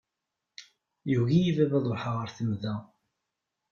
Yugi-iyi baba ad ṛuḥeɣ ɣer temda.